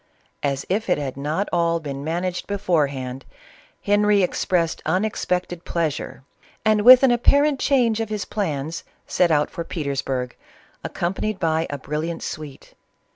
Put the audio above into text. As if it had not all been managed beforehand, Henry expressed unexpected pleasure, and, with an apparent change of his plans, set out for Petersburg, accompanied by a brilliant suite.